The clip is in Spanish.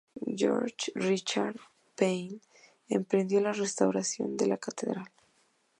George Richard Pain emprendió la restauración de la catedral.